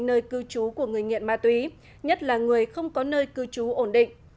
nơi cư trú của người nghiện ma túy nhất là người không có nơi cư trú ổn định